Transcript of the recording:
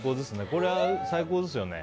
これは、最高ですよね。